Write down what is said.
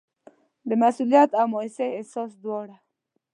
د مسوولیت او مایوسۍ احساس دواړه.